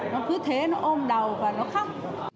nó cứ thế nó ôm đầu và nó khóc